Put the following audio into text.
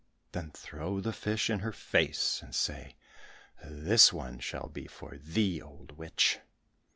Then throw the fish in her face, and say, 'This one shall be for thee, old witch.